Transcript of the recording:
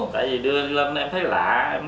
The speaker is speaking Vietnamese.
tại vì đưa lên em thấy lạ